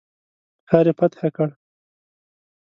ښار یې فتح کړ.